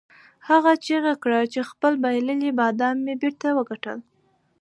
هغه چیغه کړه چې خپل بایللي بادام مې بیرته وګټل.